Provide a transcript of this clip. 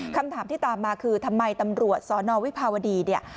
คำถามที่ตามมาคือทำไมตำรวจสนวิภาวดีเนี่ย